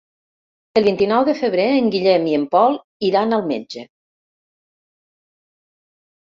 El vint-i-nou de febrer en Guillem i en Pol iran al metge.